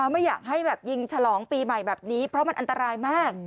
ไม่อยากให้แบบยิงฉลองปีใหม่แบบนี้เพราะมันอันตรายมาก